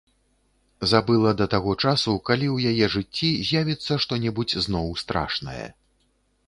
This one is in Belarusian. Забыла да таго часу, калі ў яе жыцці з'явіцца што-небудзь зноў страшнае.